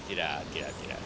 saya kira tidak